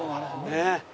ねえ。